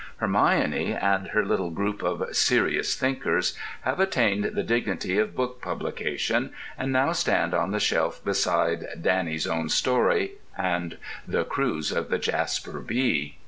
Hermione and her little group of "Serious Thinkers" have attained the dignity of book publication, and now stand on the shelf beside "Danny's Own Story" and "The Cruise of the Jasper B."